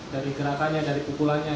dari gerakannya dari pukulannya